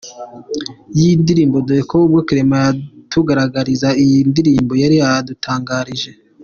yindirimbo dore ko ubwo Clement yatugezagaho iyi ndirimbo yari yadutangarije.